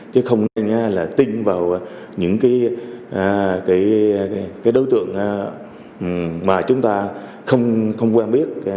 chứ không nên tin vào những cái đối tượng mà chúng ta không quen biết